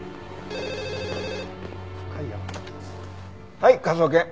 はい科捜研。